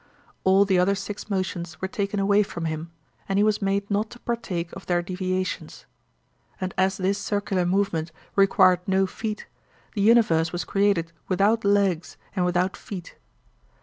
All the other six motions were taken away from him, and he was made not to partake of their deviations. And as this circular movement required no feet, the universe was created without legs and without feet.